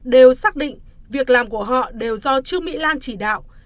đều xác định việc làm của họ đều do trương mỹ lan chỉ đạo